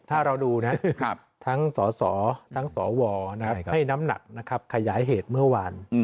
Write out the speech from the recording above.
ถ้าเราดูนะทั้งสสทั้งสวให้น้ำหนักนะครับขยายเหตุเมื่อวาน